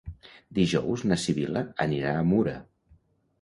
Dijous na Sibil·la anirà a Mura.